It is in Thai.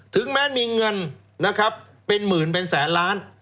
ถึงแม้มีเงินนะครับเป็นหมื่นเป็นแสนล้าน